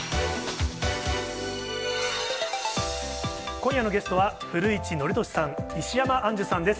今夜のゲストは古市憲寿さん、石山アンジュさんです。